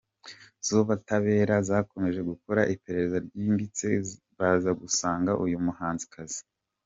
zubutabera zakomeje gukora iperereza ryimbitse baza gusanga uyu muhanzikazi.